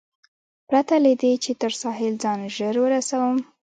پرته له دې، چې تر ساحل ځان ژر ورسوم.